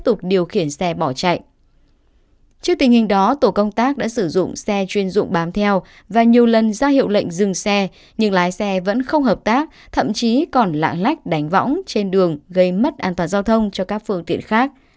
trước tình hình đó tổ công tác đã sử dụng xe chuyên dụng bám theo và nhiều lần ra hiệu lệnh dừng xe nhưng lái xe vẫn không hợp tác thậm chí còn lạng lách đánh võng trên đường gây mất an toàn giao thông cho các phương tiện khác